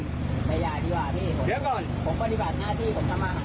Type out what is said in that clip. ไม่อย่าดีกว่าพี่